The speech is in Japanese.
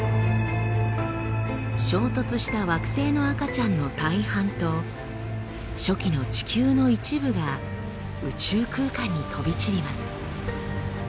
衝突した惑星の赤ちゃんの大半と初期の地球の一部が宇宙空間に飛び散ります。